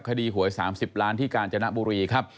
คดีหวยสามสิบล้านที่กาญจนบุรีครับ